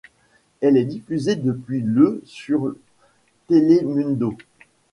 Elle est diffusée depuis le sur Telemundo.